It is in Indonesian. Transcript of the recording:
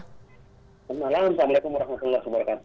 selamat malam assalamu'alaikum warahmatullah wabarakatuh